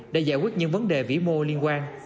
để giải quyết những vấn đề vĩ mô liên quan